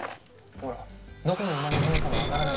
ほらどこの馬の骨かも分からない